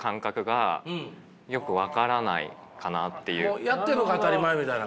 もうやってるのが当たり前みたいな感じですか？